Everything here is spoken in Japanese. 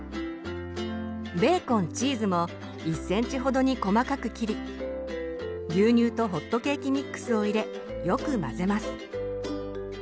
ベーコンチーズも１ｃｍほどに細かく切り牛乳とホットケーキミックスを入れよく混ぜます。